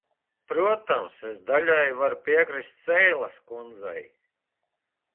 Protams, es daļēji varu piekrist arī Seiles kundzei.